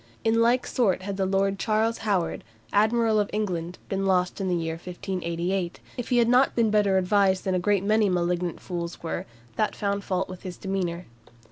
In like sort had the Lord Charles Howard, Admiral of England, been lost in the year 1588, if he had not been better advised than a great many malignant fools were, that found fault with his demeanour.